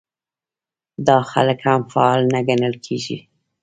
دا خلک هم فعال نه ګڼل کېږي.